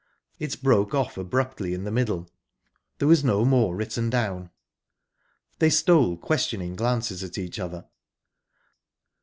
It broke off abruptly in the middle; there was no more written down. They stole questioning glances at each other.